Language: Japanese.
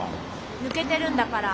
抜けてるんだから。